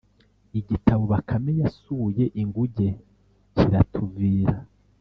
Igitabo Bakame Yasuye Inguge kiratuvira